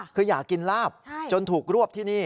คืออยากกินลาบจนถูกรวบที่นี่